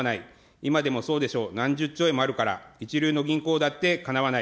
今でもそうでしょう、何十兆円もあるから、一流の銀行だってかなわない。